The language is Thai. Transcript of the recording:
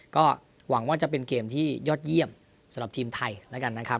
ก็หวังว่าจะเป็นเกมที่ยอดเยี่ยมสำหรับทีมไทยแล้วกันนะครับ